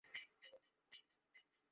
বেশিক্ষণ কোনো কাজ করতে পারি না।